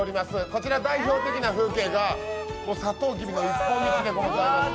こちら代表的な風景が、サトウキビの一本道でございます。